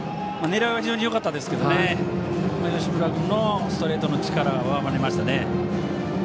狙いは非常によかったですが吉村君のストレートの力が上回りましたね。